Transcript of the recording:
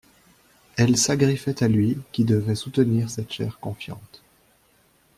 Elle s'agriffait à lui, qui devait soutenir cette chair confiante.